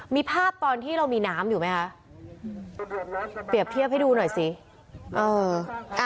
มีภาพตอนที่เรามีน้ำอยู่ไหมคะเปรียบเทียบให้ดูหน่อยสิเออ